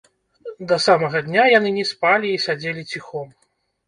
Да самага дня яны не спалі і сядзелі ціхом.